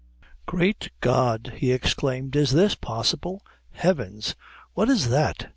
"Great God!" he exclaimed, "is this possible! Heavens! What is that?